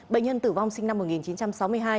bệnh nhân tử vong sinh năm một nghìn chín trăm sáu mươi hai